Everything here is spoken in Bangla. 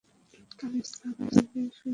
কালের ছাপ তার গায়ে সুস্পষ্ট।